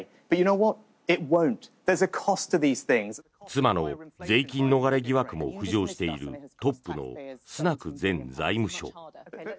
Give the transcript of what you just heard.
妻の税金逃れ疑惑も浮上しているトップのスナク前財務相。